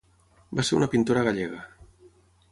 Va ser una pintora gallega.